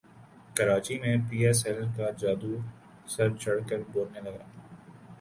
کراچی میں P S L کا جادو سر چڑھ کر بولنے لگا